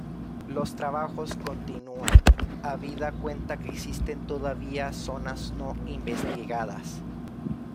Los trabajos continúan, habida cuenta que existen todavía zonas no investigadas.